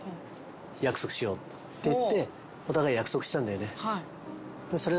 約束しようって言ってお互い約束したんだよね。